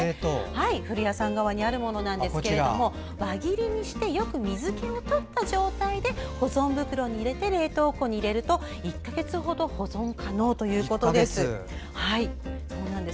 古谷さん側にあるものなんですけれども輪切りにしてよく水けを取った状態で保存袋に入れて冷凍庫に入れると１か月ほど保存可能ということです。